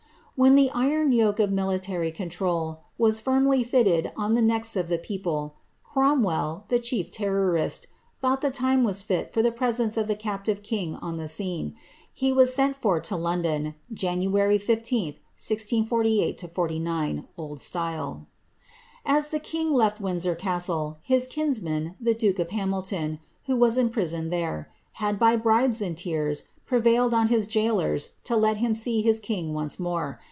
When the iron yoke of militar}' control was firmly fitted on the necks of the people, Cromwell, the chief terrorist, thought the time was fit for the presence of the captive king on the scene. He was sent for to Lon don, January 15, 1648 9, O.S. As the king lef^ Windsor castle, his kinsman, the duke of Hamilton, who was imprisoned there, had, by bribes and tears, prevailed on hii gaolers to let him see his king once more.